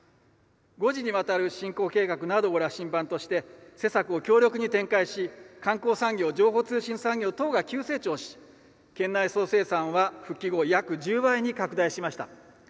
５次にわたる振興計画などを羅針盤として施策を強力に展開し観光産業・情報通信産業等が急成長し、県内総生産は復帰後約１０倍に拡大しました。